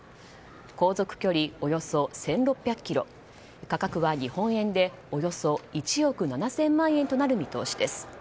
航続距離およそ１６００ｋｍ価格は日本円でおよそ１億７０００万円となる見通しです。